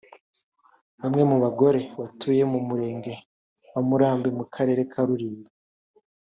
Bamwe mu bagore batuye mu murenge wa Murambi mu karere ka Rulindo